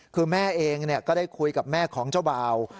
คือแม่เองก็ได้คุยกับแม่ของเจ้าบ่าว